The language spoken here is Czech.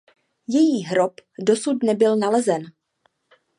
Její hrob dosud nebyl nalezen.